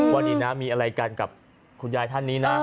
ว่าดีนะมีอะไรกันกับคุณยายท่านนี้นะ